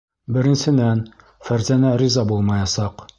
Беренсенән, Фәрзәнә риза булмаясаҡ...